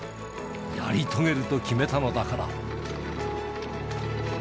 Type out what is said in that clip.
やり遂げると決めたのだから。